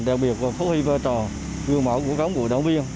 đặc biệt phục hư vơ trò vươn mẫu của các bộ đồng viên